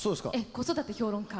子育て評論家。